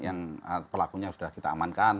yang pelakunya sudah kita amankan